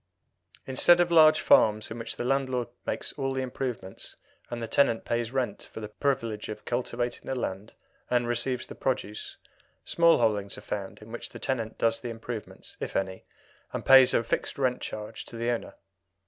Instead of large farms in which the landlord makes all the improvements and the tenant pays rent for the privilege of cultivating the land and receives the produce, small holdings are found in which the tenant does the improvements (if any) and pays a fixed rent charge to the owner.